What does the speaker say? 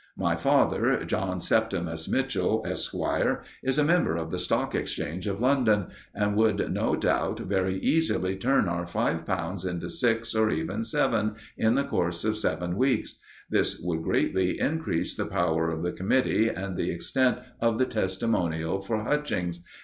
My father, John Septimus Mitchell, Esquire, is a member of the Stock Exchange of London, and would, no doubt, very easily turn our five pounds into six, or even seven, in the course of seven weeks. This would greatly increase the power of the committee and the extent of the testimonial for Hutchings.